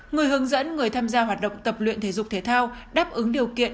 người hướng dẫn người tham gia hoạt động tập luyện thể dục thể thao đáp ứng điều kiện